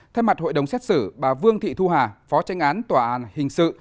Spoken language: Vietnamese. thay mặt hội đồng xét xử bà vương thị thu hà phó tranh án tòa án hình sự